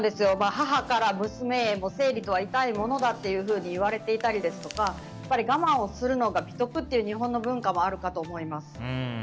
母から娘へ生理とは痛いものだっていうものに言われていたりだとか我慢をするのが美徳という日本の文化もあると思います。